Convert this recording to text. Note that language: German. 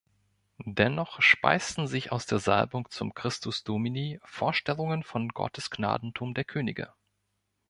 Dennoch speisten sich aus der Salbung zum "Christus Domini" Vorstellungen vom Gottesgnadentum der Könige.